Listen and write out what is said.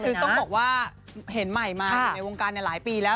คือต้องบอกว่าเห็นใหม่มาอยู่ในวงการหลายปีแล้ว